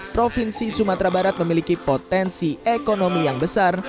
provinsi sumatera barat memiliki potensi ekonomi yang besar